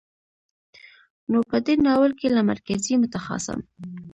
نو په دې ناول کې له مرکزي، متخاصم،